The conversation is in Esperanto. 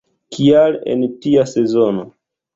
Kial en tia sezono?